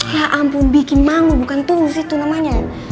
ya ampun bikin malu bukan tuh sih tuh namanya